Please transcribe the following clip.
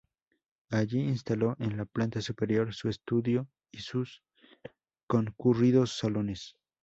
Allí instaló, en la planta superior, su estudio y sus concurridos salones.